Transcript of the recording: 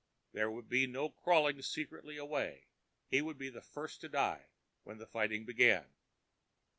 There would be no crawling secretly away. He would be the first to die when the fighting began.